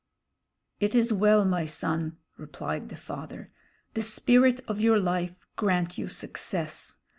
"It is well, my son," replied the father; "the spirit of your life grant you success.